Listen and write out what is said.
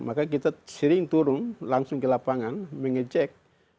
maka kita sering turun langsung ke lapangan mengecek